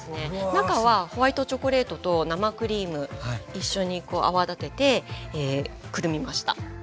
中はホワイトチョコレートと生クリーム一緒に泡立ててくるみました。